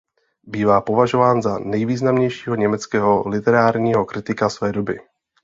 Bývá považován za nejvýznamnějšího německého literárního kritika své doby.